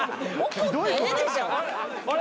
・あれ？